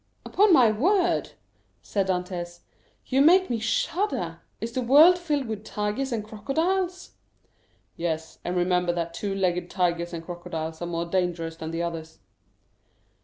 "Upon my word," said Dantès, "you make me shudder. Is the world filled with tigers and crocodiles?" "Yes; and remember that two legged tigers and crocodiles are more dangerous than the others."